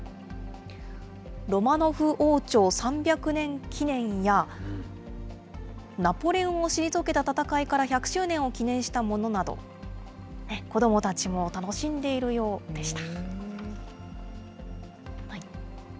ロマノフ王朝３００年記念や、ナポレオンを退けた戦いから１００周年を記念したものなど、子どもたちも楽しんでいるようでした。